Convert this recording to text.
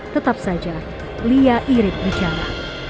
tetap saja lia irit bicara